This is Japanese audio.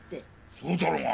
そうだろうが。